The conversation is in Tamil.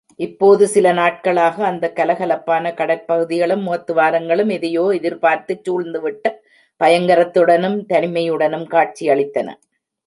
இப்போது சில நாட்களாக அந்தக் கலகலப்பான கடற்பகுதிகளும் முகத்துவாரங்களும் எதையோ எதிர்ப்பார்த்துச் சூழ்ந்துவிட்ட பயங்கரத்துடனும், தனிமையுடனும் காட்சியளித்தன.